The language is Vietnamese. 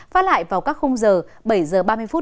và lại vào các h bảy h ba mươi